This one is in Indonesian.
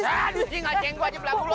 aduh ini enggak jenggu aja belakang lu